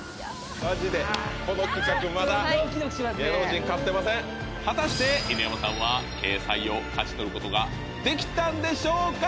マジでこの企画まだ芸能人勝ってません果たして犬山さんは掲載を勝ち取ることができたんでしょうか？